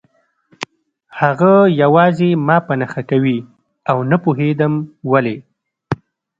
هغه یوازې ما په نښه کوي او نه پوهېدم ولې